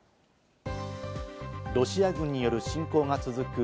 ロシア軍による侵攻が続く